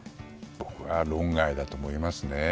これは論外だと思いますね。